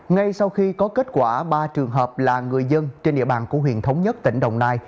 ngay sau khi có kết quả ba trường hợp là người dân trên địa bàn của huyện thống nhất tỉnh đồng nai